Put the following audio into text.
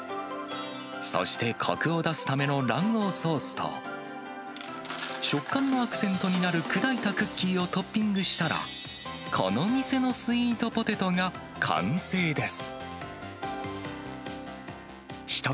そしてこくを出すための卵黄ソースと、食感のアクセントになる砕いたクッキーをトッピングしたら、この店のスイートポテトが完成です。